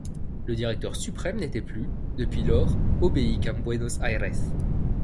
Le Directeur suprême n’était plus, depuis lors, obéi qu’à Buenos Aires.